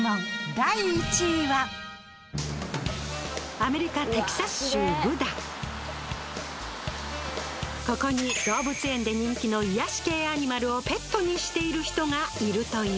アメリカここに動物園で人気の癒やし系アニマルをペットにしている人がいるという。